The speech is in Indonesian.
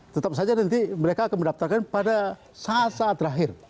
tetap saja nanti mereka akan mendaftarkan pada saat saat terakhir